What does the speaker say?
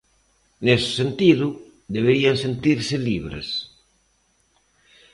Nese sentido, deberían sentirse libres.